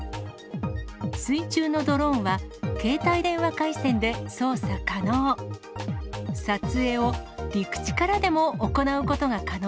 水中のドローンは、携帯電話回線で操作可能。